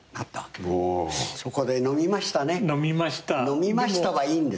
「飲みました」はいいんです。